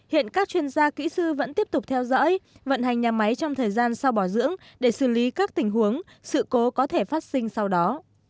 hiện các chuyên gia kỹ sư vẫn tiếp tục theo dõi vận hành nhà máy trong thời gian sau bảo dưỡng để xử lý các tình huống sự cố có thể phát sinh sau đó